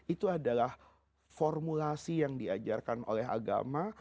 itu adalah formulasi yang diajarkan oleh agama